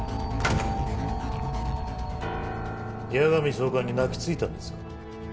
矢上総監に泣きついたんですか。